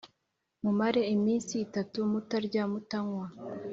mumare iminsi itatu mutarya, mutanywa